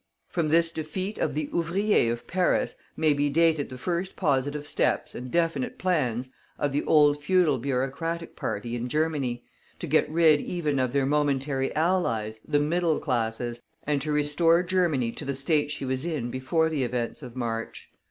From this defeat of the ouvriers of Paris may be dated the first positive steps and definite plans of the old feudal bureaucratic party in Germany, to get rid even of their momentary allies, the middle classes, and to restore Germany to the state she was in before the events of March.